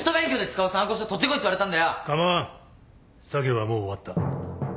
作業はもう終わった。